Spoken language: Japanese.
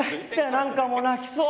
何かもう泣きそう！